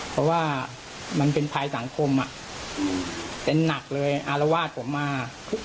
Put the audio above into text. เพราะว่ามันเป็นภายสังคมอะอืมเป็นนักเลยอะละวาดผมมา